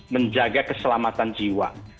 menjaga keselamatan jiwa